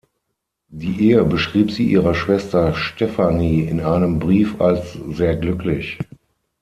Die Ehe beschrieb sie ihrer Schwester Stephanie in einem Brief als sehr glücklich.